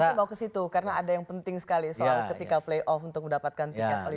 kan nanti bawa ke situ karena ada yang penting sekali soal ketika play off untuk mendapatkan tiga kali